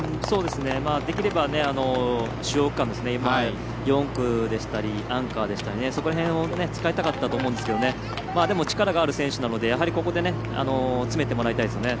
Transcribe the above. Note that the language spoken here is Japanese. できれば、主要区間４区でしたり、アンカーでしたりそこら辺で使いたかったと思いますが力のある選手なのでやはり、ここで詰めてもらいたいですね。